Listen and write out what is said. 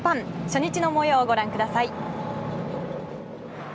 初日の模様をご覧ください。